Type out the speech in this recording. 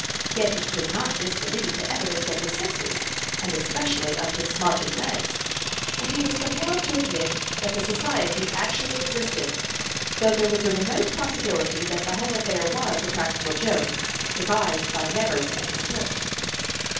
Yet he could not disbelieve the evidence of his senses, and especially of his smarting legs, and he was compelled to admit that the society actually existed; though there was a remote possibility that the whole affair was a practical joke, devised by Nevers and his clique.